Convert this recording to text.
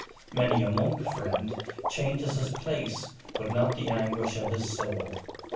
Many a monk, friend, changes his place, but not the anguish of his soul.